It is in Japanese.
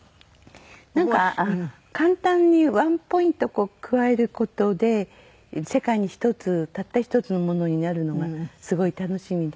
なんか簡単にワンポイント加える事で世界に一つたった一つのものになるのがすごい楽しみで。